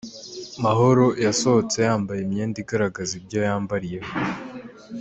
Mahoro yasohotse yambaye imyenda igaragaza ibyo yambariyeho